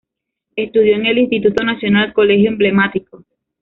Estudió en el Instituto Nacional, colegio emblemático.